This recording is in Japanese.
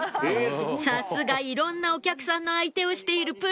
さすがいろんなお客さんの相手をしているプロ！